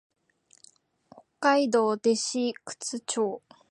北海道弟子屈町